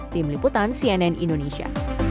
tim liputan cnn indonesia